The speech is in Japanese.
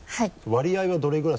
割合はどれぐらい？